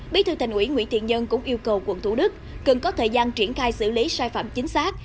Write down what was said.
bí thư thành ủy nguyễn thiện nhân cũng yêu cầu quận thủ đức cần có thời gian triển khai xử lý sai phạm chính xác